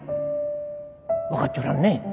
分かっちょらんね。